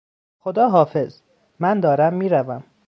خداحافظ! من دارم میروم.